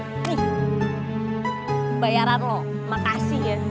nih bayaran loh makasih ya